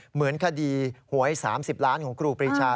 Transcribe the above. เหมือนคดีหวย๓๐ล้านของครูปรีชา